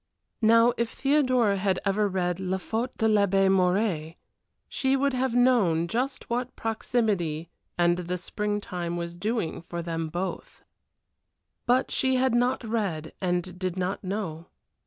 Now if Theodora had ever read La Faute de L'Abbé Mouret she would have known just what proximity and the spring time was doing for them both. But she had not read, and did not know.